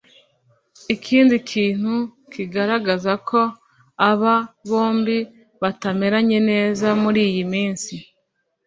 Ikindi kintu kigaragaza ko aba bombi batameranye neza muri iyi minsi